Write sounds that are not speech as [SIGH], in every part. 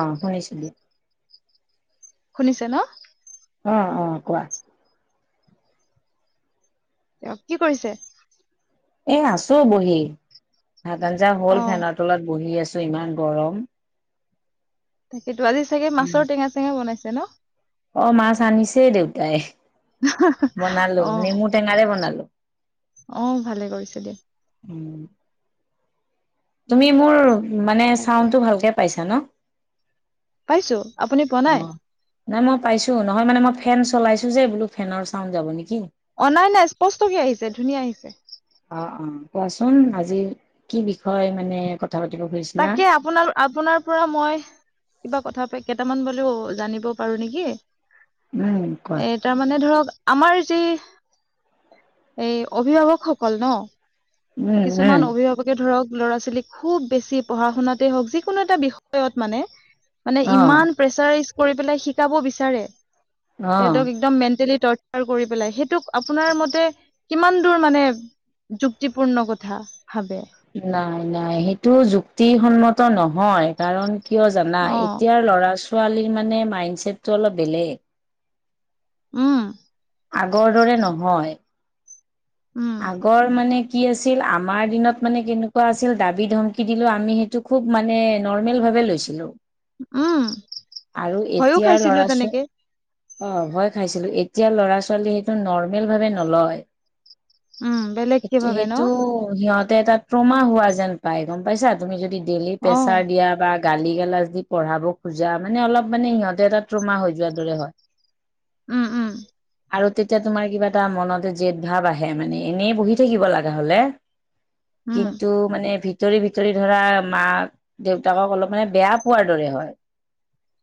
অ হৈছিল দে শুনিছে ন? অ অ কোৱা তেওঁৰ কি কৰিছে? এ আছো বহি। ভাত আঞ্জা অ হল ফেনৰতলত বহি আছো। জ ইমান গৰম। সেইটো। আজি চাগে মাছৰ টেঙা চেঙা বনাইছে ন? অ মাছ আনিছে দেউতাই। বনালো নেমু টেঙাৰে বনালো। আহ ভালে কৰিছে দিয়া। উম তুমি মোৰ মানে তাকে চাউণ্ডটো ভালকে পাইছা ন? পাইছো আপুনি পোৱা অ নাই নাই মই পাইছো নহয় মানে মই। ফেন চলাইছো যে বোলো ফেনৰ চাউণ্ড যাব নেকি? অ নাই নাই স্পষ্ট কে আহিছে ধুনীয়া আহিছে। অ অ কোৱাচোন আজি কি বিষয় মানে ক তাকে আপোনাৰ আপোনাৰ পৰা মই কিবা কথা প কেইটামান বোলো জানিব পাৰো নেকি উম কোৱা এ তাৰমানে ধৰক আমাৰ যি এই অভিভাৱকসকল ন উম উম কিছুমান অভিভাৱকে ধৰক ল'ৰা ছোৱালীক খুব বেছি পঢ়া-শুনাতে হক যি কোনো এটা বিষয়ত মানে মানে অ ইমান প্ৰেচাৰ কৰি পেলাই শিকাব বিচাৰে। অ সিহঁতক একদম মেণ্টেলি টৰ্চাৰ কৰি পেলাই সেইটোক আপোনাৰ মতে কিমান দূৰ মানে যুক্তিপূৰ্ণ কথা ভাবে? নাই নাই সেইটো যুক্তিসন্মত নহয়। কাৰণ কিয় জানা অ এতিয়াৰ ল'ৰা ছোৱালীৰ মানে মাইণ্ডচছেটটো অলপ বেলেগ। উম। আগৰ দৰে নহয়। উম আগৰ মানে, কি আছিল আমাৰ দিনত মানে কেনেকুৱা আছিল দাবী ধমি দিলেও আমি সেইটো খুব মানে নৰ্মেল। বাবে লৈছিলো উম আৰু ভয়ো এতিয়াৰ খাইছিলো ল'ৰা তেনেকে ছোৱালী অ ভয় খাইছিলো এতিয়া ল'ৰা ছোৱালী সেইটো নৰ্মেল ভাৱে নলয়। উম বেলেগ কি সেইটো ভাবে ন সেইটো সিহঁত তাত ট্ৰমা হোৱা যেন পাই গম পাইছা তুমি যদি ডেইলি অ প্ৰেচাৰ দিয়া বা গালি গালাজ দি পঢ়াব খোজা মানে অলপ মানে সিহঁতে এটা ট্ৰমা হৈ যোৱাৰ দৰে হয়। উম উম। আৰু তেতিয়া তোমাৰ কিবা এটা মনতে জেদ ভাৱ আহে মানে এনেই বহি থাকিব লাগা হলে, উম কিন্তু মানে ভি ভিতৰি ভিতৰি ধৰা মাক দেউতাকক অলপ মানে বেয়া পোৱাৰ দৰে হয়।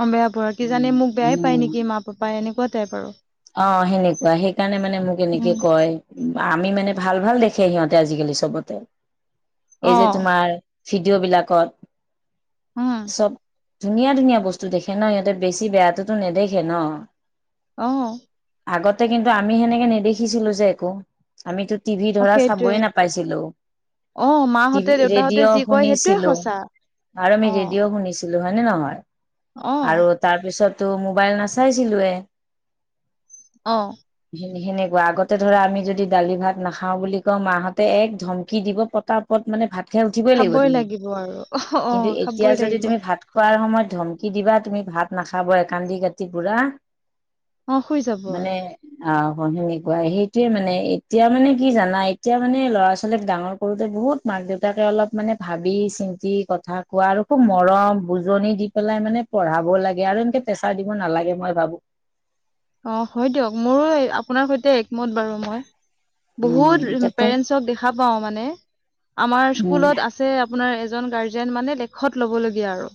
অ বেয়া পোৱা কি উম জানি মোক বেয়াই পায় উম নেকি মা পাপা এনেকুৱা টাইপ আৰু অ সেনেকুৱা সেইকাৰণে মানে মোক এনেকে উম কয়। আমি মানে ভাল ভাল দেখে সিহঁতে আজিকালি চবতে অ এই যে তোমাৰ ভিডিঅ' বিলাকত উম। চব ধুনীয়া ধুনীয়া বস্তু দেখে ন ইহতে বেছি বেয়াতো নেদেখে ন। অ আগতে কিন্তু আমি সেনেকে নেদেখিছিলো যে একো আমিতো টিভি অ ধৰা সেইটোৱে চাবই নাপাইছিলো। অ মাহঁতে টিভি দেউতাহঁতে যি ৰেডিঅ' কয় সেইটোৱে শুনিছিলো সঁচা আৰু অ আমি ৰেডিঅ' শুনিছিলো। হয় নে নহয় অ আৰু তাৰপিছটো মবাইল নেচাইছিলোয়ে। অ। সেনেকুৱা আগতে ধৰা আমি যদি দালি ভাত নাখাও বুলি কওঁ মাহঁতে এক ধমকি দিব পতা পত মানে ভাত উঠিবই লাগিব খাবই তুমি, আৰু অ অ কিন্তু এতিয়া খাবই যদি লাগিব তুমি ভাত খোৱাৰ সময়ত ধমকি দিবা তুমি ভাত নাখাব এ কান্দি কাটি পুৰা অ হৈ যাব আৰু মানে অ অ সেনেকুৱাই সেইটোয়ে মানে, এতিয়া মানে কি জানা এতিয়া মানে ল'ৰা -ছোৱালীক ডাঙৰ কৰোতে বহুত মা মাক- দেউতাকে অলপ মান ভাবি -চিন্তি কথা কোৱা আৰু খুব মৰম বুজনি দি পেলাই মানে পঢ়াবও লাগে আৰু এনকে প্ৰেছাৰ দিব নালাগে মই ভাবো। অ হয় দিয়ক, মোৰো আপোনাৰ সৈতে একমত বাৰু মই। বহুত উম, এতিয়াতো পেৰেন্টচক দেখা পাও মানে, আমাৰ উম, স্কুলত আছে আপোনাৰ এজন গাৰ্জেন মানে লেখত লবলগীয়া আৰু,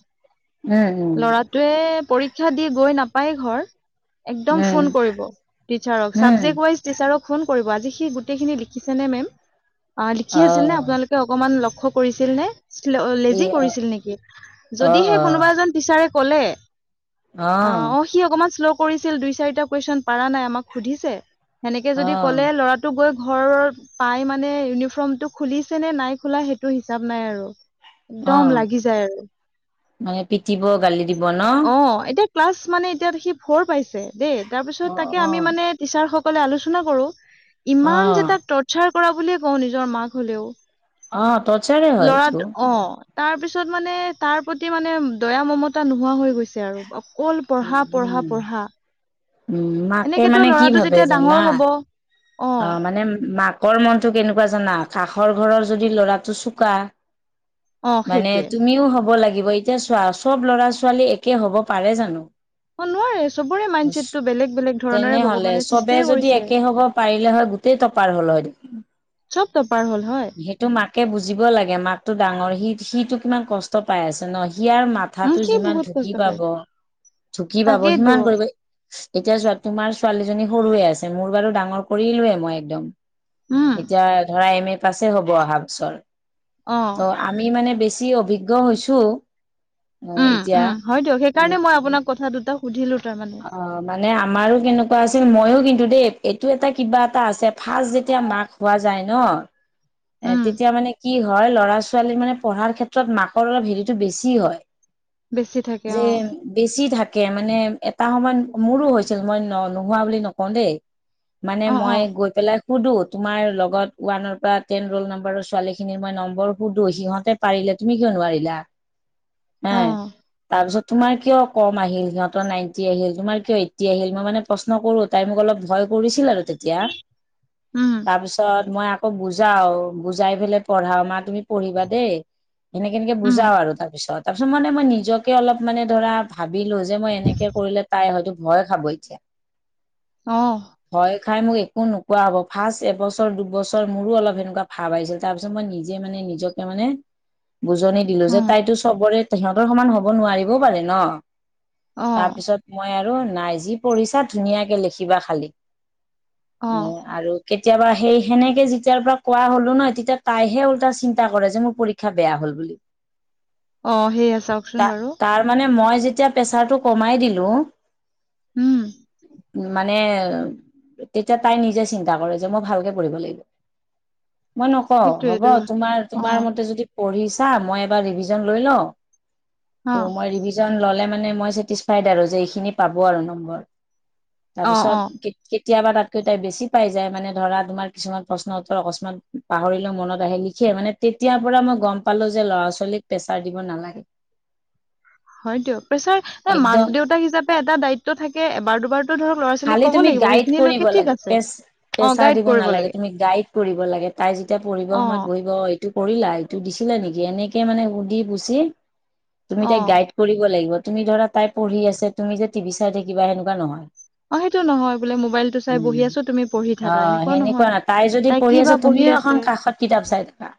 উম, উম, ল'ৰাটোৱে পৰি ক্ষা দি গৈ নাপায় ঘৰ একদম ফোন উম, কৰিব, টিচাৰক চাবজেক উম, ৱাইজ টিচাৰক ফোন কৰিব আজি সি গোটেই খিনি লিখিছে নে মেম, আ লিখি আছিল নে অ' আপোনালোকে অকমান ল লক্ষ্য কৰিছিল নে এই লেজি অ' কৰিছিল নেকি? অ' যদিহে কোনোবা অ' এজন টিচৰে কলে, অ সি অকমান শ্ল কৰিছিল, দুই- চাৰিটা কুৱেচন পাৰা নাই আমাক সুধিছে, সেনেকে যদি ক'লে অ' ল'ৰাটোক গৈ ঘৰৰ পাই মানে ইউনিফৰ্মটো খুলিছে নে নাই খোলা সেইটো হিচাপ নাই আৰু। একদম অ' লাগি যায় আৰু মানে পিটিব গালি দিব ন? অ এতিয়া ক্লাছ মানে এতিয়া সি ফৰ পাইছে দেই, তাৰপিছত অ' তাকে আমি অ' মানে টিচাৰ সক কলে আলোচনা কৰো, ইমান যে অ' তাক টৰ্চাৰ কৰা বুলিয়ে কওঁ নিজৰ মাক হলেও অ' টৰ্চাৰে হয় লৰা এইটো। অ তাৰপিছত মানে, তাৰ প্ৰতি মানে দয়া, মমতা নোহোৱা হৈ গৈছে আৰু অ কল উম, পঢ়া পঢ়া উম পঢ়া। উম মাকে এনেকেতো মানে কি ল'ৰাটো ভাবে যেতিয়া ডাঙৰ জানা, হব অ মানে মাক কৰ মনটো কেনেকুৱা জানা, কাষৰ ঘৰৰ যদি ল'ৰাটো চোকা অ মানে সেইটোৱে তুমিও হ'ব লাগিব, এতিয়া চোৱা চব ল'ৰা- ছোৱালী একে হব পাৰে জানো? অ নোৱাৰে চবৰে মাইণ্ডছেটটো বেলেগ বেলেগ ধৰণৰে তেনেহলে ভগৱানে চবে সৃষ্টিয়ে যদি কৰিছে একে হব পাৰিলে হয় গোটেই টপাৰ হ'ল হয়। চব টপাৰ হ'ল হয় সেইটো মাক কে বুজিব লাগে, মাকটো ডাঙৰ সি সিটো কিমান কষ্ট পাই আছে ন ইয়াৰ উম মাথাটো সি যিমান বহুত ঢুকি কষ্ট পায় পাব ঢুকি পাব তাকেইতো সিমান কৰিব। এতিয়া যোৱা তোমাৰ ছোৱালী জনী সৰুৱে আছে, মোৰ বাৰু ডাঙৰ কৰিলোৱে মই একদম, উম এতিয়া ধৰা এম এ পাছে হব অহা বছৰ, অ ত' আমি মানে বেছি অভিজ্ঞ হৈছো অ উম এতিয়া উম হয় দিয়ক উম সেইকাৰণে মই আপোনাক কথা দুটা সুধিলো তাৰমানে অ মানে আ আমাৰো কেনেকুৱা আছিল মইয়ো কিন্তু দে এইটো এটা কিবা এটা আছে ফাৰ্ষ্ট যেতিয়া মাক হোৱা যায় ন অ এ উম তেতিয়া মানে কি হয় ল'ৰা -ছোৱালীৰ মানে পঢ়াৰ ক্ষেত্ৰত মাকৰ লৰা হেৰিটো বেছি হয়। বেছি থাকে যে অ বেছি ধাক কে মানে এটা সময়ত মোৰো হৈছিল, মই ন নোহোৱা বুলি নকওঁ দেই। মানে অ অ মই গৈ পেলাই সুধো তোমাৰ লগত ওৱানৰ পৰা টেন ৰোল নাম্বাৰৰ ছোৱালীখিনিৰ মই নম্বৰ সুধো সিহঁতে পাৰিলো তুমি কিয় নোৱাৰিলা? [UNINTELLIGIBLE] হে, তাৰপিছত তোমাৰ কিয় কম আহিল সিহঁতৰ নাই টি আহিল, তোমাৰ কিয় এইটি আহিল, মই মানে প্ৰশ্ন কৰো তাই মোক অলপ ভয় কৰিছিল আৰু। তেতিয়া, উম তাৰপিছত মই আ আকৌ বুজাও, বুজাই পেলাই পঢ়াও মা তুমি পঢ়িবা দেই, সেনেকে এনেকে উম বুজাও আৰু তাৰ পিছত। তাৰপিছত মানে মই নিজকে অলপ মানে ধৰা ভাবিলো যে মই এনেকে কৰিলে তাই হয়তো ভয় খাব ইতিয়া। অহ। খাই মোক একো নোকোৱা হ'ব, ফাৰ্ষ্ট এবছৰ, দুবছৰ মোৰো অলপ সেনেকুৱা ভাৱ আহিছিল তাৰপিছত মই নিজে মানে নিজকে মানে বুজনি দিলো যে উম তাইতো চবৰে সিহঁতৰ সমান হ'ব নোৱাৰিবও পাৰে ন। অ তাৰ পিছত মই আৰু নাই যি পঢ়িছা ধুনীয়াকে লিখিবা খালি। অ উম আৰু কেতিয়াবা সেই সেনেকে যেতিয়াৰ পৰা কোৱা হলো ন তেতিয়া তাইহে উল্টা চিন্তা কৰে যে মোৰ পৰীক্ষা বেয়া হল বুলি। অ সেইয়া ত চাওকচোন বাৰু। তাৰ মানে মই যেতিয়া প্ৰেচাৰটো কমাই দিলো উম। মানে তেতিয়া তাই নিজে চিন্তা কৰে যে মই ভালকে পঢ়িব লাগিব। মই নকওঁ, হ'ব সেইটোৱেতো তোমাৰ অ তোমাৰ মতে যদি পঢ়িছা মই এবাৰ ৰিভিজন লৈ লওঁ। অ ত' মই ৰিভিজন ল'লে মানে মই চেটিছফাইড আৰু যে এইখিনি পাব আৰু নম্বৰ। অ অ তাৰপিছত কে কে কেতিয়াবা তাতকৈ তাই বেছি পাই যায় মানে ধৰা তোমাৰ কিছুমান প্ৰশ্ন উত্তৰ অকস্মান পাহৰিলেও মনত আহে লিখি মানে তেতিয়াৰ পৰা মই গম পালো যে ল'ৰা- ছোৱালীক প্ৰেছাৰ দিব নালাগে। হয়তো প্ৰেছাৰ একদম মাক -দেউতাক হিচাপে এটা দায়িত্ব থাকে এবাৰ দুবাৰ খালি তুমি গাইড কৰিব লাগে, আছে পে অ প্ৰেছাৰ গাইড দিব কৰিব নালাগে লাগে তুমি গাইড কৰিব লাগে তাই যেতিয়া পঢ়িব অ সময়ত বহিব এইটো কৰিলা এইটো দিছিলা নেক এনেকে মানে সুধি গুচি, তুমি অ তাইক গাইড কৰিব লাগিব। তুমি ধৰা তাই পঢ়ি আছে, তুমি যে টিভি চাই থাকিবা সেনেকোৱা নহয়। অ সেইটো নহয় বোলে মোবাইলটো চাই উম, বহি আছো তুমি পঢ়ি অ থাকা এনেকুৱা সেনেকুৱা নহয় নাই তাই যদি পঢ়ি আছে তুমি তুমিও এখন কাষত কিতাপ চাই থাকা।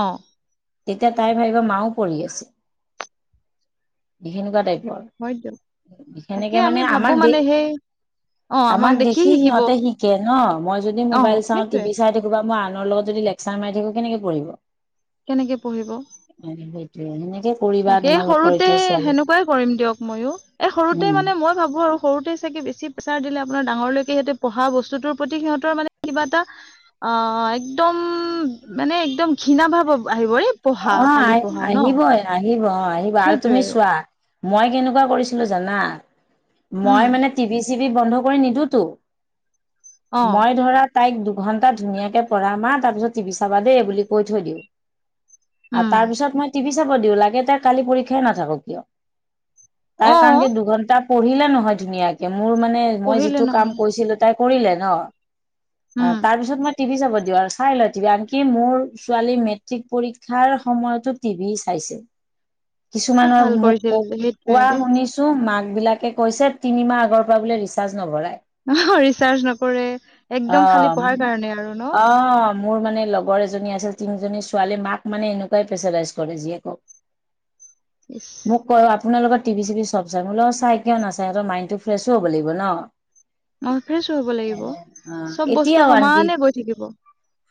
অহ। তেতিয়া তাই ভাবিব মাও পঢ়ি আছে, সেনেকুৱা দায়িত ত্ব, হয় দিয়ক তাকে সেনেকে আমি মানে ভাবো আমাৰ দে মানে সেই আমাক দেখি সিহঁতে শিকে ন, মই যদি অ মোবাইল চাও সেইটোৱে টিভি চাই থাকো বা মই আনৰ লগত যদি লেকচাৰ মাৰি থাকো কেনেকে পঢ়িব। কেনেকে পঢ়িব? অ [UNINTELLIGIBLE] তাকে সৰুতে সেনেকুৱাই কৰিম দিয়ক ময়ো, এই সৰুতে উম মানে মই ভাবো আৰু সৰুতে চাগে কি বেছি বেছি প্ৰেছাৰ দিলে আপোনাৰ ডাঙৰলৈকে সিহঁতে পঢ়া বস্তুটোৰ প্ৰতি সিহঁতৰ মানে কিবা এটা অ একদম মানে একদম ঘৃণা ভাৱ আ আহিব এই পঢ়া অ আহ খালি পঢ়া ন। আহিবই আহিব অ আহিব আৰু তুমি চোৱা, মই কেনেকুৱা কৰিছিলো জানা উম মই মানে টিভি চিভি বন্ধ কৰি নিদো তো। অ মই ধৰা তাইক দু ঘণ্টা ধুনীয়াকে পঢ়া মাঁ তাৰপিছত টিভি চাবা দেই বুলি কৈ থৈ দিওঁ। আৰু উম তাৰ পিছত মই টিভি চাব দিওঁ লাগে তাই কালি পৰীক্ষাই নাথাকক কিয়। তাই অ কাৰণ কি দুঘন্টা পঢ়িলে নহয় ধুনীয়াকে। মোৰ মানে মই পঢ়িলে যিটো কাম নহয় কৈছিলো তাই কৰিলে ন। অ উম তাৰপিছত মই টিভি চাব দিওঁ আৰু চাই লয় টিভি। আনকি মোৰ ছোৱালী মেট্ৰিক পৰী ক্ষাৰ সময়তো টিভি চাইছে। খুব কিছুমানৰ ভাল মোক কৰিছিল ক সেইটোৱে কোৱা দেই শুনিছো মাক বিলাকে কৈছে তিনিমাহ আগৰ পৰা বোলে ৰিচাৰ্জ নভৰাই। অ ৰিচাৰ্চ নকৰে একদম খালি অঁ, পঢ়াৰ কাৰণে আৰু ন অঁ মোৰ মানে লগৰ এজনী আছিল তিনিজনী ছোৱালী মাক মানে এনেকুৱাই প্ৰেছাৰাইজ কৰে ইচ জীয়েকক। মোক কয় আপোনালোকৰ টিভি চিভি চব চাই। মই বোলো অ চাই কিয় নাচাই ইহঁতৰ মাইণ্ডটো ফ্ৰেছো হ'ব লাগিব ন। অ ফ্ৰেছো হব লাগিব, এনে অ', চব বস্তু সমানে গৈ থাকিব।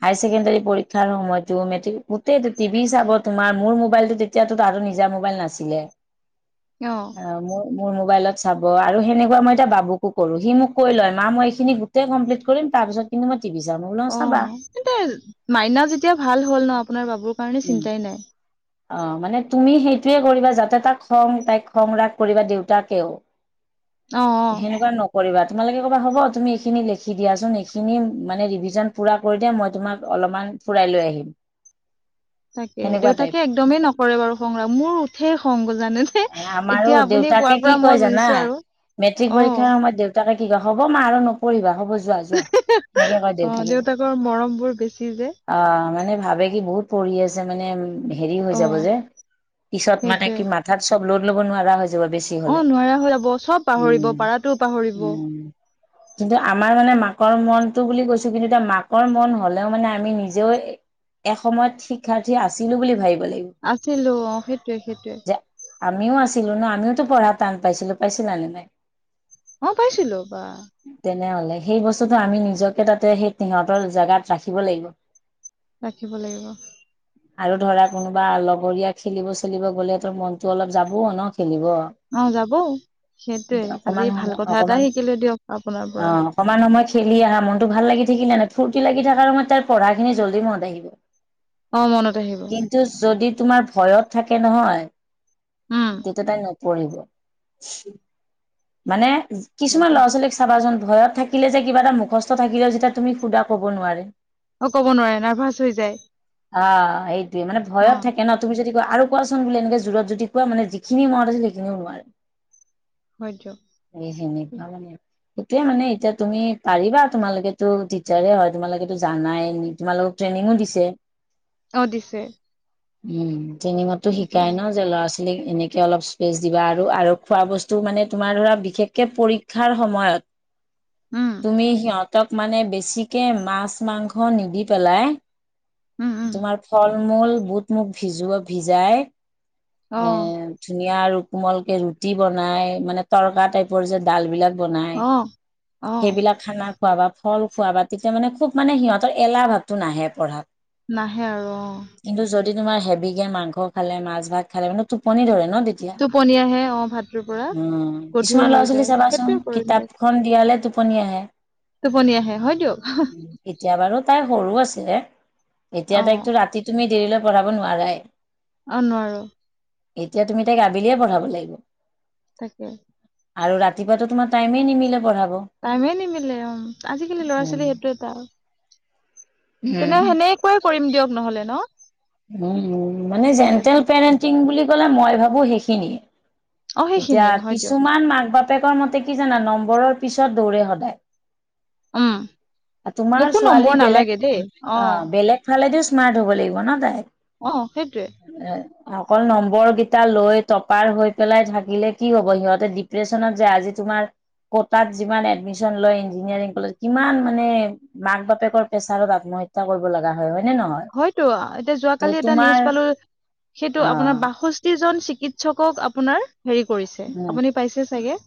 হায় ছেকেণ্ডাৰী পৰীক্ষাৰ সময়তো, মেট্ৰিক তেটো টিভি চাব তোমাৰ মোৰ মোবাইলটো তেতিয়াতো তাৰো নিজা মোবাইল নাছিলে। অ অহ, মোৰ- মোৰ মোবাইলত চাব আৰু সেনেকুৱা মই এতিয়া বাবুকো কৰো সি মোক কৈ লয় মাঁ মই এইখিনি গোটেই কমপ্লিট কৰিম তাৰ পিছত কিন্তু মই টিভি চাম মই বোলো অ', চাবা। অহ, তেন্তে মাইনা যেতিয়া ভাল হ'ল ন' আপোনাৰ বাবুৰ কাৰণে চিন্তাই নাই। অহ, মানে তুমি সেইটোয়ে কৰিবা যাতে তাক খং তাইক খং ৰাগ কৰিবা দেউতাকেও। অ অ সেনেকুৱা নকৰিবা তোমালোকে কবা হ'ব তুমি এইখিনি লিখি দিয়াচোন এইখিনি মানে ৰিভিজন পূৰা কৰি দিয়, মই তোমাক অলমান ফুৰাই লৈ আহিম। [INAUDIBLE] তাকে সেনেকুৱা টাইপ দেউতাকে একদমেই নকৰে বাৰু খং ৰাগ। মোৰ উঠে খং জানে নে? আমাৰো এতিয়া আপুনি দেউতাকে কোৱাৰ কি পৰা মই কয় জানা বুজিছো আৰু মেট্ৰিক অ পৰীক্ষাৰ সময়ত দেউতাকে কি কয় হ'ব মা আৰু নপঢ়িবা হ'ব যোৱা -যোৱা সেনেকে কয় অ দেউতাকে। দেউতাকৰ মৰম বোৰ বেছি যে অহ মানে ভাবে কি বহুত পঢ়ি আছে মানে হেৰি হৈ অ যাব যে পিছত মানে সেইটোৱে কি মাথাত চব লড ল'ব নোৱাৰা হৈ যা ব বেছি অ হ'লে। নোৱাৰা হৈ যাব চব পাহৰিব উম পাৰাটোও পাহৰিব -উম কিন্তু আপ আমাৰ মানে মাকৰ মনতটো বুলি কৈছো কিন্তু এতিয়া মাকৰ মন হলেও মানে আমি নিজেও এসময়ত শিক্ষাৰ্থী আছিলো বুলি ভাবি আছিলো অহ সেইটোৱে -সেইটোৱে। যে আমিও আছিলো ন' আমিওতো পঢ়া টান পাইছিলো। পাইছিলা নে নাই? অ', পাইছিলো বাহ। তেনেহলে সেই বস্তুটো আমি নিজকে তাতে সেই সিহঁতৰ জাগাত ৰাখিব লাগিব। ৰাখিব লাগিব। আৰু ধৰা কোনোবা লগৰীয়া খেলিব- চেলিব গলে তোৰ কি কৰিব মনটো অলপ যাবও ন',। খেলিব অহ, যাব। সেইটোৱে অকমান আজি ভাল সময় কথা অকমান এটাই শিকিলো দিয়ক আপোনাৰ অ পৰা। অকমান সময় খেলি আহা মনটো ভাল লাগি থাকিলে নেনাই ফূৰ্তি লাগি থাকাৰ সময়ত তাৰ পঢ়াখিনি জল্দি মনত আহিব। অ মনত আহিব কিন্তু যদি তোমাৰ ভয়ত থাকে নহয় উম তেতিয়া তাই নপঢ়িব। মানে কিছুমান সেইটোৱে ল'ৰা -ছোৱালীক চাবাচোন ভয়ত থাকিলে যে কিবা এটা মুখস্থ থাকিলেও যেতিয়া তুমি সুধা ক'ব নোৱাৰে। অ ক'ব নোৱাৰে নাৰ্ভাছ হৈ যায় অহ, এইটোৱে মানে অ ভয়ত থাকে ন'তুমি যদি আৰু কোৱাচোন বুলি এনেকে জোৰত যদি কোৱা মানে যিখিনি মনত আছিলে সেইখিনিও নোৱাৰে। [INAUDIBLE] সেনেকুৱা মানে সেইটোয়ে মানে এতিয়া তুমি পাৰিবা তোমালোকেতো তিচাৰে হয় তোমালোকেতো জানাই তোমালোকক ট্ৰেইনিংও দিছে। অহ, দিছে। উম, ট্ৰেনিংততো সেইটোৱে শিকাই ন 'যে ল'ৰা - ছোৱালী এনেকে অলপ স্পেচ দিবা আৰু খোৱা বস্তু মানে তোমাৰ ধৰা বিশেষকে পৰীক্ষাৰ সময়ত উম তুমি সিহঁত তত মানে বেছিকে মাছ -মাংস নিদি পেলাই উম, উম, তোমাৰ ফল ফল - মূল বুট- মুগ ভিজোৱা ভিজাই অ', অহ ধুনিয়া কোমলকে ৰুটি বনাই মানে তৰ্কা টাইপৰ যে ডাল বিলাক বনাই অ', অ', সেইবিলাক খানা খোৱাবা। ফল খোৱাবা তেতিয়া মানে খুব মানে সিহঁতৰ এলাহ ভাৱটো নাহে পঢ়াত। নাহে আৰু অহ। কিন্তু যদি তোমাৰ হেভি কে মাংস খালে মাছ- ভাত খালে মানে টোপনি ধৰে নহ তেতিয়া টোপনি আহে অ', ভাতটোৰ পৰা উম গধুৰ কিছুমান হৈ লৰা- ছোৱালী যায় সেইটোৱে চাবাচোন কৰিম দিয়ক কিতাপ খন টোপনি আহে। টোপনি আহে হয় দিয়ক। এতিয়া বাৰু তাই সৰু আছিলে এতিয়া অ', তাইকো ৰাতি তুমি দেৰিলে পঢ়াব নোৱাৰাই। অহ, নোৱাৰো। এতিয়া তুমি তাইক আবেলিয়ে পঢ়াব লাগিব। তাকে। আৰু ৰাতিপুৱা তোমাৰ টাইমে নিমিলে পঢ়া। টাইমে নিমিলে অ আজিকালি ল'ৰা উম ছোৱালী সেইটো এটা আৰু। তেনে উম সেনেকুৱাই কৰিম দিয়ক নহলে ন। উম মানে ঠিক আছে জেণ্টেল পেৰেন্টিং বুলি কলে মই ভাবো সেইখিনিয়ে। অ', এতিয়া সেইখিনিয়ে হয় দিয়ক কিছুমান মাক বাপেকৰ মতে কি জানা নম্বৰৰ পিছত দৌৰে উম, সদায়। মোকো তোমাৰ নম্বৰ ছোৱালী বেলেগ নালাগে দেই অ বেলেগ ফালেদি। স্মাৰ্ট হ'ব লাগিব ন তাই। অ সেইটোৱে? অকল নম্বৰ কেইটা লৈ টপাৰ হৈ পেলাই থাকে। থাকিলে কি হ'ব সিহঁতে ডিপ্ৰেশচনত যে আজি তোমাৰ। কটাত যিমান এডমিশন লয় ইঞ্জিনিয়াৰিং কলেজ কিমান মান মাক বাপেকৰ প্ৰেছাৰত আপোনাৰ। হত্যা কৰিব লগা হয়। হয়নে নহয় হয়তটো এতিয়া যোৱাকালি ত' এটা তোমাৰ নিউজ পালো সেইটো অ আপোনাৰ বাষষ্ঠি জন। চিকিৎসক আপোনাৰ হেৰি কৰিছে উম আপুনি পাইছে চাগে।